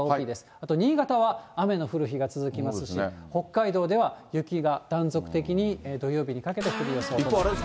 あと新潟は雨の降る日が続きますし、北海道では雪が断続的に土曜日にかけて降る予想となっています。